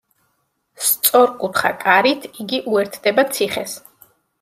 სწორკუთხა კარით იგი უერთდება ციხეს.